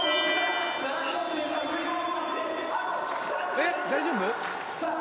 えっ大丈夫？